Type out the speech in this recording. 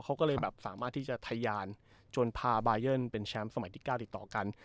เขาก็เลยแบบสามารถที่จะทะยานจนพาบายันเป็นแชมป์สมัยที่๙ติดต่อกัน